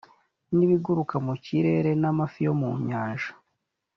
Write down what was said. n ibiguruka mu kirere n amafi yo mu nyanja